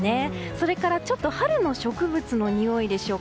それから春の植物のにおいでしょうか。